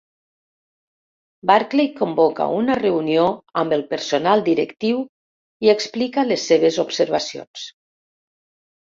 Barclay convoca una reunió amb el personal directiu i explica les seves observacions.